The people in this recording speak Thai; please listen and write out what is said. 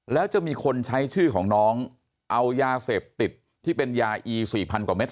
แล้วจะมีคนใช้ชื่อของน้องเอายาเสพติดที่เป็นยาอี๔๐๐กว่าเม็ด